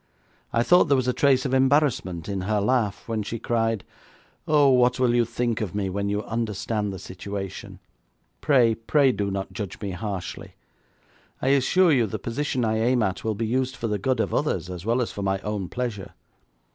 I thought there was a trace of embarrassment in her laugh when she cried: 'Oh, what will you think of me when you understand the situation? Pray, pray do not judge me harshly. I assure you the position I aim at will be used for the good of others as well as for my own pleasure.